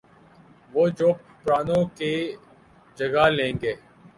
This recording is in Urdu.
وہ جو پرانوں کی جگہ لیں گے۔